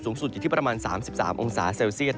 อยู่ที่ประมาณ๓๓องศาเซลเซียต